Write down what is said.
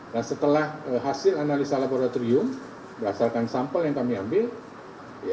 nah setelah hasil analisa laboratorium berdasarkan sampel yang kami ambil